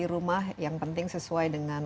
rumah yang penting sesuai dengan